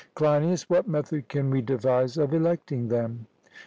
CLEINIAS: What method can we devise of electing them?